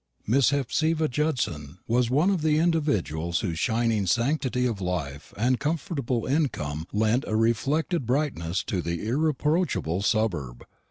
Miss Hephzibah Judson was one of the individuals whose shining sanctity of life and comfortable income lent a reflected brightness to the irreproachable suburb.